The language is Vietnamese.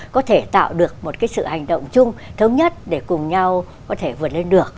có thể tạo được một cái sự hành động chung thống nhất để cùng nhau có thể vượt lên được